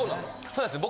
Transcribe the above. そうですね